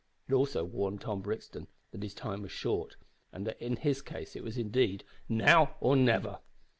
It also warned Tom Brixton that his time was short, and that in his case it was indeed, "now or never."